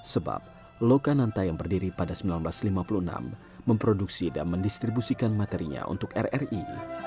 sebab lokananta yang berdiri pada seribu sembilan ratus lima puluh enam memproduksi dan mendistribusikan materinya untuk rri